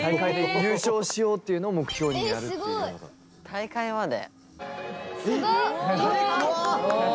大会まで？